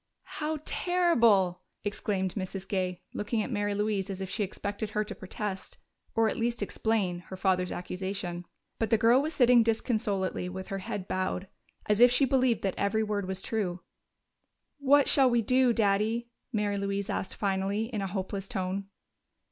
"How terrible!" exclaimed Mrs. Gay, looking at Mary Louise as if she expected her to protest, or at least explain, her father's accusation. But the girl was sitting disconsolately with her head bowed, as if she believed that every word was true. "What shall we do, Daddy?" Mary Louise asked finally, in a hopeless tone.